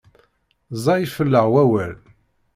Ẓẓay fell-aɣ wawal.